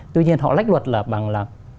tuy nhiên họ lách luật là bằng là